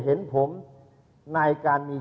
โหวตวันที่๒๒